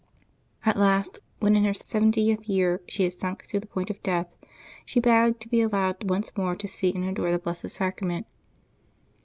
At last, when, in her seventieth year, she had sunk to the point of death, she begged to be al lowed once more to see and adore the Blessed Sacrament.